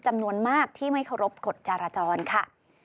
จำนวนมากที่ไม่เคารพกฎจราจรค่ะ